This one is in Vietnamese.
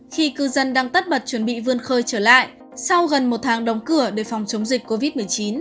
khi cư dân đang tất bật chuẩn bị vươn khơi trở lại sau gần một tháng đóng cửa để phòng chống dịch covid một mươi chín